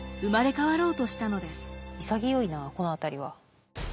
潔いなこの辺りは。